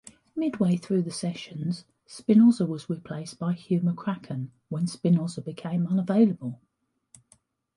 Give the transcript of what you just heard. Midway through the sessions, Spinozza was replaced by Hugh McCracken when Spinozza became unavailable.